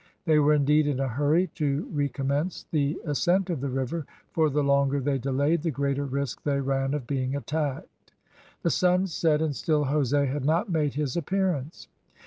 They were indeed in a hurry to recommence the ascent of the river, for the longer they delayed, the greater risk they ran of being attacked. The sun set, and still Jose had not made his appearance.